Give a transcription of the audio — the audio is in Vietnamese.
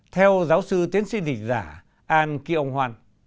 theo giáo sư tiến sĩ định giả ahn ki ong hwan